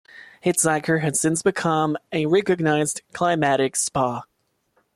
Hitzacker has since become a recognised climatic spa.